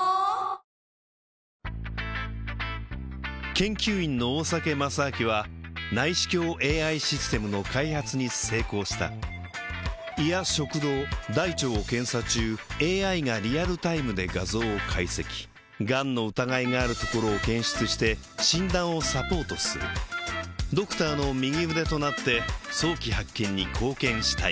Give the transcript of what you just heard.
研究員の大酒正明は内視鏡ＡＩシステムの開発に成功した胃や食道大腸を検査中ＡＩがリアルタイムで画像を解析がんの疑いがあるところを検出して診断をサポートするドクターの右腕となって早期発見に貢献したい